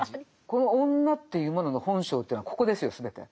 この女というものの本性というのはここですよ全て。